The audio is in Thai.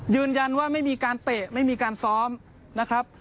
ยืนยันว่าไม่มีการเตะไม่มีการซ้อมนะครับ